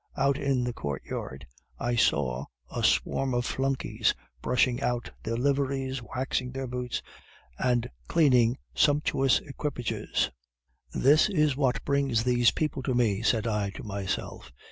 Out in the courtyard I saw a swarm of flunkeys, brushing out their liveries, waxing their boots, and cleaning sumptuous equipages. "'"This is what brings these people to me!" said I to myself.